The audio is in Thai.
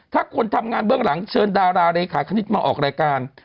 ถ้าคนทำงานเบื้องหลังเชิญดาราเลขาคณิตมาออกรายการ